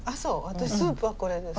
私スープはこれです。